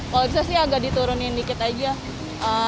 kalau bisa sih agak diturunin dikit aja